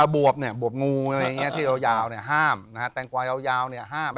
บวบเนี่ยบวบงูอะไรอย่างเงี้ยที่ยาวเนี่ยห้ามนะฮะแตงกวายยาวเนี่ยห้าม